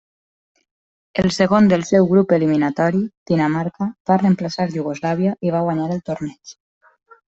El segon del seu grup eliminatori, Dinamarca, va reemplaçar Iugoslàvia i va guanyar el torneig.